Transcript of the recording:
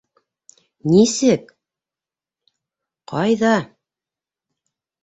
Нисек... ҡайҙа...